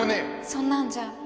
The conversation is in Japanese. そんなんじゃ